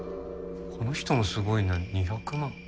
この人もすごいな２００万。